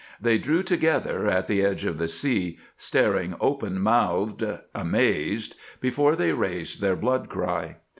They drew together at the edge of the sea, staring open mouthed, amazed, before they raised their blood cry.